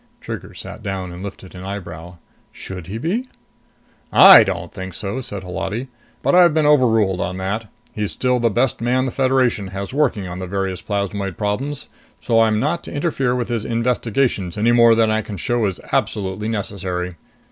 Trigger sat down and lifted an eyebrow. "Should he be?" "I don't think so," said Holati. "But I've been overruled on that. He's still the best man the Federation has working on the various plasmoid problems, so I'm not to interfere with his investigations any more than I can show is absolutely necessary.